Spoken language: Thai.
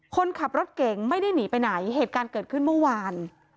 คนขับรถเก่งไม่ได้หนีไปไหนเหตุการณ์เกิดขึ้นเมื่อวาน